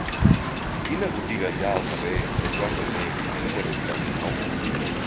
Quina botiga hi ha al carrer de Joan I número vuitanta-nou?